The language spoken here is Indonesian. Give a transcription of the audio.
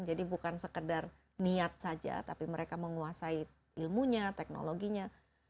jadi bukan sekedar niat saja tapi mereka menguasai ilmunya teknologinya